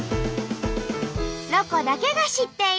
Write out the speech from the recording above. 「ロコだけが知っている」。